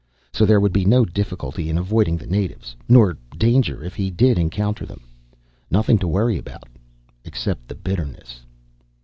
So, there would be no difficulty in avoiding the natives, nor danger if he did encounter them. Nothing to worry about, except the bitterness.